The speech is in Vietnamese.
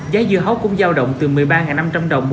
giá dưa hấu cũng giao động từ một mươi ba năm trăm linh đồng